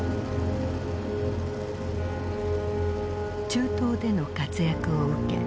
中東での活躍を受け